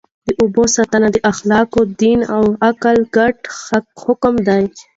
د اوبو ساتنه د اخلاقو، دین او عقل ګډ حکم دی.